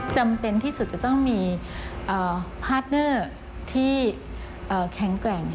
จำเป็นที่สุดจะต้องมีพาร์ทเนอร์ที่แข็งแกร่ง